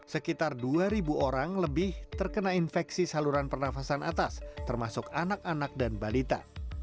sekitar dua orang lebih terkena infeksi saluran pernafasan atas termasuk anak anak dan balita